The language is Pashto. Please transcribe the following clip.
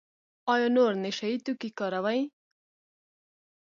ایا نور نشه یي توکي کاروئ؟